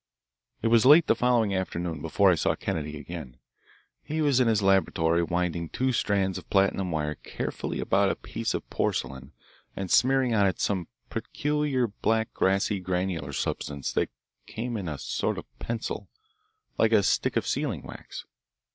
It was late the following afternoon before I saw Kennedy again. He was in his laboratory winding two strands of platinum wire carefully about a piece of porcelain and smearing on it some peculiar black glassy granular substance that came in a sort of pencil, like a stick of sealing wax.